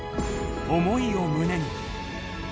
思いを胸に。